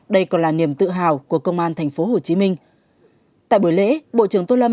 đây còn là niềm tự hào của công an tp hcm